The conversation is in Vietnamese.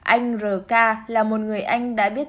anh rk là một người anh đã biết